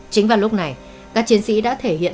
chính vào lúc này các chiến sĩ đã thể hiện